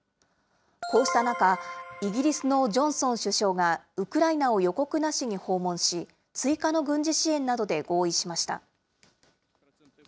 こうした中、イギリスのジョンソン首相が、ウクライナを予告なしに訪問し、追加の軍事支援などで合意しました。